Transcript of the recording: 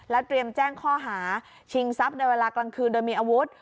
เตรียมแจ้งข้อหาชิงทรัพย์ในเวลากลางคืนโดยมีอาวุธ